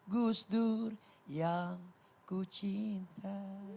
gus dur yang ku cinta